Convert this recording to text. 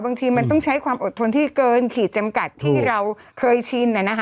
บางทีมันต้องใช้ความอดทนที่เกินขีดจำกัดที่เราเคยชิน